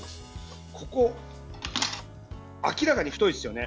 ここ、明らかに太いですよね。